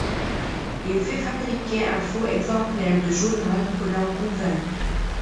Il fait fabriquer un faux exemplaire de journal pour l'en convaincre.